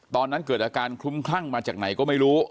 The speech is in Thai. ตอนนั้นเกิดอาการคลุ้มคลั่งมาจากไหนก็ไม่รู้